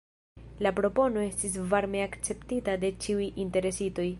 La propono estis varme akceptita de ĉiuj interesitoj.